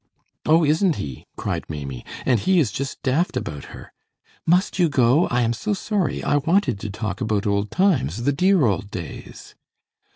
"Oh, isn't he," cried Maimie, "and he is just daft about her. Must you go? I am so sorry. I wanted to talk about old times, the dear old days."